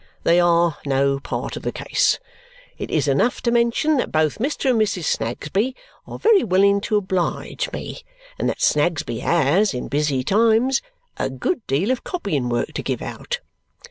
They are no part of the case. It is enough to mention that both Mr. and Mrs. Snagsby are very willing to oblige me and that Snagsby has, in busy times, a good deal of copying work to give out.